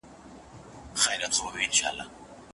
د چا حقوق زيات او لوړ دي؟